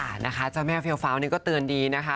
นะคะเจ้าแม่เฟียวฟ้าวนี่ก็เตือนดีนะคะ